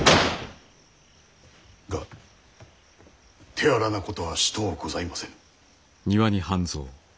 が手荒なことはしとうございませぬ。